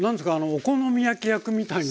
お好み焼き焼くみたいな。